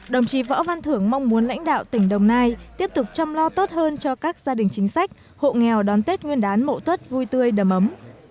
đồng chí võ văn thưởng mong muốn lãnh đạo tỉnh đồng nai tiếp tục chăm lo tốt hơn cho các gia đình chính sách hộ nghèo đón tết nguyên đán mậu tuất vui tươi đầm ấm